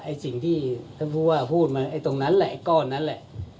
สิ่งที่ท่านผู้ว่าพูดมาไอ้ตรงนั้นแหละไอ้ก้อนนั้นแหละ